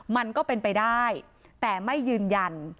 มันก็เป็นไปได้แต่ไม่ยืนยัน